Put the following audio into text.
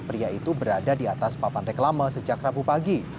pria itu berada di atas papan reklama sejak rabu pagi